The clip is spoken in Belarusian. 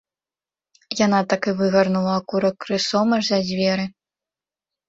Яна так і выгарнула акурак крысом аж за дзверы.